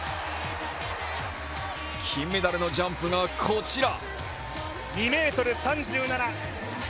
金メダルのジャンプがこちら。